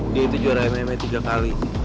dia itu juara mma tiga kali